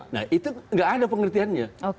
nah itu nggak ada pengertiannya